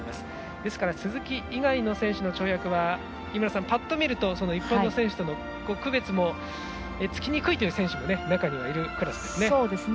ですから、鈴木以外の跳躍は井村さん、パッと見ると一般の選手との区別もつきにくいという選手も中に入るクラスですね。